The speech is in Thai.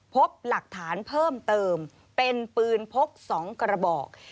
พบหลักฐานเพิ่มเติมเป็นปืนพก๒กระบอก